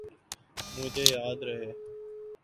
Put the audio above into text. مجھے یاد ہے۔